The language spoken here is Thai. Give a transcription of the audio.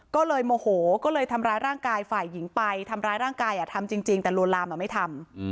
ก็เลยโมโหก็เลยทำร้ายร่างกายฝ่ายหญิงไปทำร้ายร่างกายทำจริงแต่ลวนลามไม่ทำ